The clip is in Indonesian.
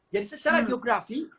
jadi secara geografi